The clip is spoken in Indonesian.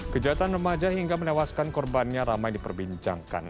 kejahatan remaja hingga menewaskan korbannya ramai diperbincangkan